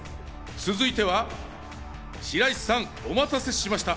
続いては白石さん、お待たせしました。